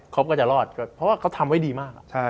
เขาก็จะรอดก็เพราะว่าเขาทำไว้ดีมาก